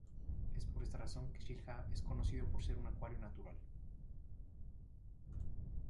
Es por esta razón que Xel-Há es conocido por ser un acuario natural.